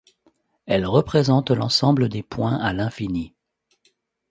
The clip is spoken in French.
Elle représente l'ensemble des points à l'infini.